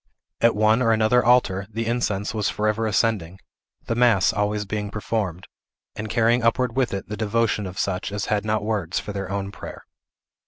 At one or another altar, the incense was forever ascending; the mass always being performed, and carrying upward with it the devotion of such as had not words for their own prayer.